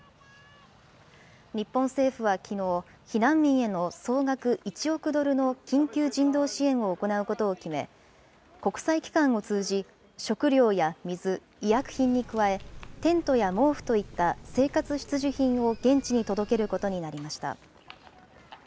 日本政府はきのう、避難民への総額１億ドルの緊急人道支援を行うことを決め、国際機関を通じ、食料や水、医薬品に加え、テントや毛布といった生活必需品を現地に届けることになりました。